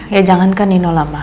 ya jangankan nino lama